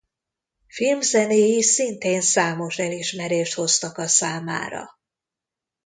Filmzenéi szintén számos elismerést hoztak a számára.